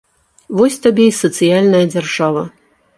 Вось табе і сацыяльная дзяржава.